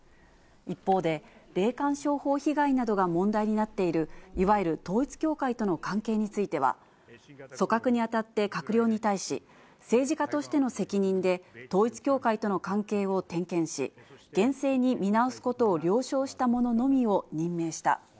一方で、霊感商法被害などが問題になっている、いわゆる統一教会との関係については、組閣にあたって閣僚に対し、政治家としての責任で、統一教会との関係を点検し、厳正に見直すことを了承した者のみを任命した。